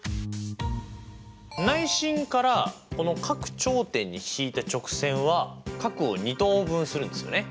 内心から各頂点に引いた直線は角を二等分するんですよね。